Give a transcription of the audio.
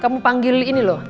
kamu panggil ini loh